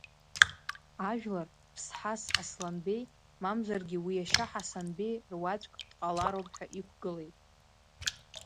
Ажәлар ԥсҳас Асланбеи, мамзаргьы уи иашьа Ҳасанбеи руаӡәк дҟалароуп ҳәа иқәгылеит.